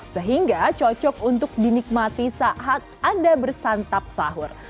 sehingga cocok untuk dinikmati saat anda bersantap sahur